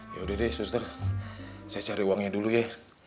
ya udah deh suster saya cari uangnya dulu ya